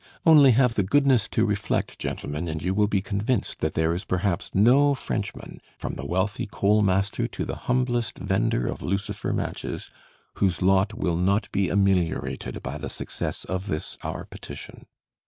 Only have the goodness to reflect, gentlemen, and you will be convinced that there is perhaps no Frenchman, from the wealthy coal master to the humblest vender of lucifer matches, whose lot will not be ameliorated by the success of this our petition.